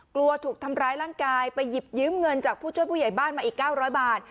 กลัวถูกทำร้ายร่างกายไปหยิบยืมเงินจากผู้ช่วยผู้ใหญ่บ้านมาอีก๙๐๐บาท